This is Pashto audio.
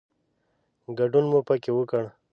ګډون مو پکې وکړ.